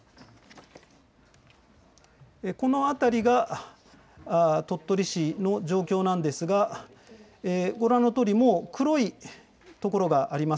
この辺りが、鳥取市の状況なんですが、ご覧のとおり、もう黒い所があります。